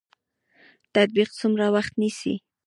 تطبیق څومره وخت نیسي؟